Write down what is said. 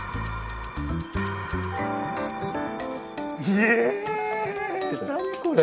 ひえ何これ。